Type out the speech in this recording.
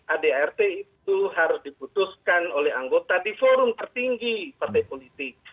ada rt itu harus dibutuhkan oleh anggota di forum tertinggi partai politik